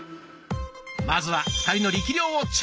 まずは２人の力量をチェック！